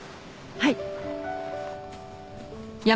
はい！